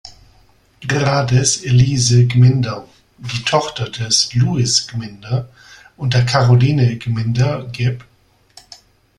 Grades Elise Gminder, die Tochter des Louis Gminder und der Karoline Gminder geb.